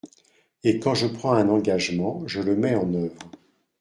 Et quand je prends un engagement, je le mets en œuvre.